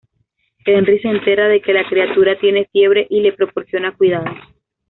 Henry se entera de que la criatura tiene fiebre y le proporciona cuidados.